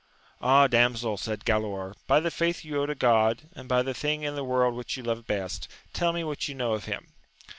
Ah, damsel, said Galaor, by the faith you owe to God, and by the thing in the world which you love best, tell me what you know of him.